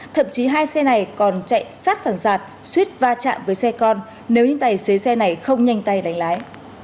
thậm chí hai xe này còn chạy sát sẵn sạt suýt va chạm với xe con nếu những tài xế xe này không nhanh tay đánh lái